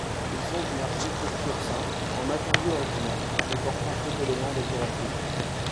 Ils sont d'une architecture simple, en matériaux ordinaires, comportant peu d'éléments décoratifs.